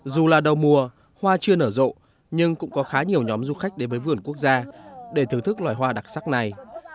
dù là đầu mùa hoa chưa nở rộ nhưng cũng có khá nhiều nhóm du khách đến với vườn quốc gia để thưởng thức loài hoa đặc sắc này